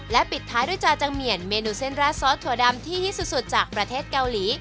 ปิดท้ายด้วยจาจังเหมียนเมนูเส้นราดซอสถั่วดำที่ฮิตสุดจากประเทศเกาหลี